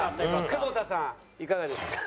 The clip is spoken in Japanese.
久保田さんいかがですか？